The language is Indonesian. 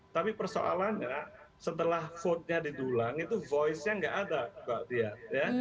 tapi persoalannya setelah vote nya didulang itu voice nya nggak ada mbak dian